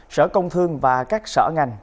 sở công thương và các sở ngành